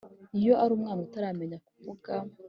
iyo ari umwana utaramenya kuvuga